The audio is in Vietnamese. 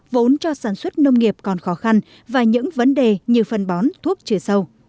vốn cho sản xuất nông nghiệp còn khó khăn và những vấn đề như phân bón thuốc trừ sâu